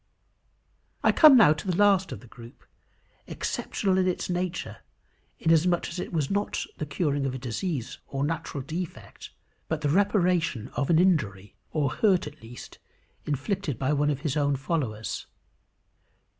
I come now to the last of the group, exceptional in its nature, inasmuch as it was not the curing of a disease or natural defect, but the reparation of an injury, or hurt at least, inflicted by one of his own followers.